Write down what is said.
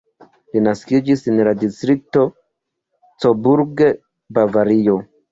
Li naskiĝis en la distrikto Coburg, Bavario.